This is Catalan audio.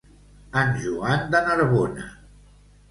En Joan de Narbona.